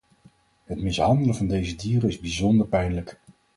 Het mishandelen van deze dieren is bijzonder pijnlijk.